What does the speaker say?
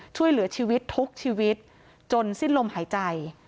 ช่วยเหลือชีวิตทุกชีวิตจนสิ้นลมหายใจ